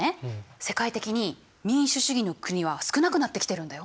世界的に民主主義の国は少なくなってきてるんだよ。